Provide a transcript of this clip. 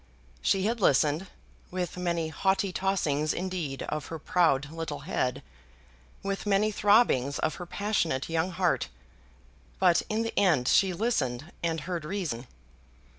She had listened, with many haughty tossings indeed of her proud little head, with many throbbings of her passionate young heart; but in the end she listened and heard reason.